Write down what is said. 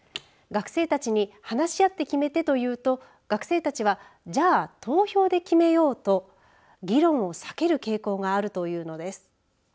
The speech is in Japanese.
学生たちに話し合って決めてと言うと学生たちはじゃあ、投票で決めようと議論を避ける傾向があるというのです。